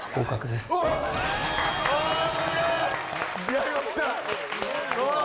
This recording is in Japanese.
やりました！